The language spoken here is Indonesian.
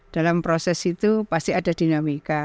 dalam proses itu pasti ada dinamika